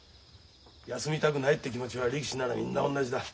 休みたくないって気持ちは力士ならみんな同じだ。